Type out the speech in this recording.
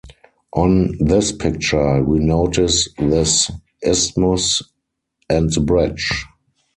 On this picture, we notice this isthmus and the bridge.